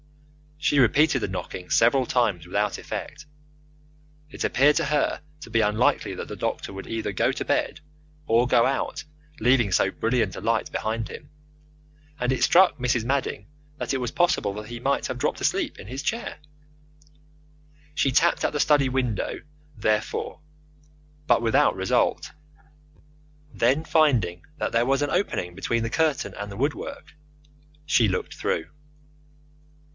She repeated the knocking several times without effect. It appeared to her to be unlikely that the doctor would either go to bed or go out leaving so brilliant a light behind him, and it struck Mrs. Madding that it was possible that he might have dropped asleep in his chair. She tapped at the study window, therefore, but without result. Then, finding that there was an opening between the curtain and the woodwork, she looked through.